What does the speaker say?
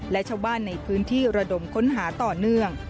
และชาวบ้านในพื้นที่ระดมค้นหาต่อเนื่อง